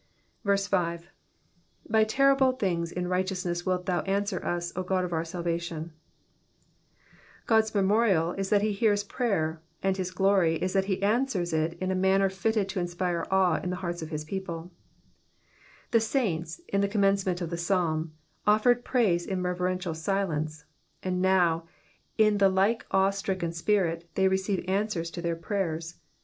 5. '*J9y terrible thinge in righteousness teiU thou anstcer us, 0 Ood qf oxtr Bolmtion,^^ God's memorial is that he hears prayer, and his glory is that he Digitized by VjOOQIC PSALM THE SIXTY FIFTH. 163 answers it in a mannw fitted to inspire awe in the hearts of his people. The saints, in the commencement of the Psalm, offered praise in reverential silence ; and now, in the like awe stricken spirit, they receive answers to their prayers.